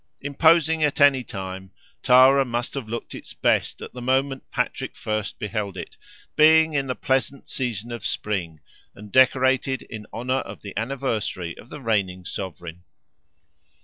Imposing at any time, Tara must have looked its best at the moment Patrick first beheld it, being in the pleasant season of spring, and decorated in honour of the anniversary of the reigning sovereign.